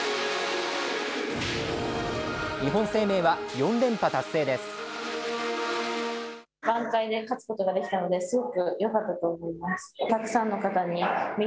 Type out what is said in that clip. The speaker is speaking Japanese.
日本生命は４連覇達成です。